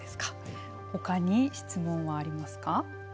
ほかに質問はありますか。